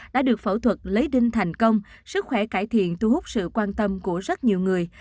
đã được phẫu thuật lấy đinh thành công sức khỏe cải thiện thu hút sự quan tâm của rất nhiều người